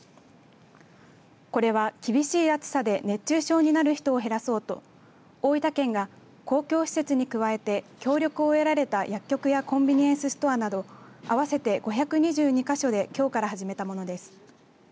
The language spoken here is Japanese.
これは厳しい暑さで熱中症になる人を減らそうと大分県が公共施設に加えて協力を得られた薬局やコンビニエンスストアなど合わせて５２２か所できょうから始めたものです。